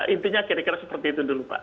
intinya kira kira seperti itu dulu pak